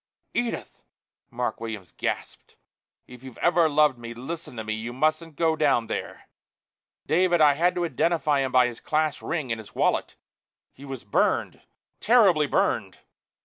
"Edith!" Mark Williams gasped. "If you've ever loved me, listen to me. You mustn't go down there. David I had to identify him by his class ring and his wallet. He was burned terribly burned!"